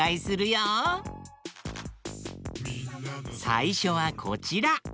さいしょはこちら。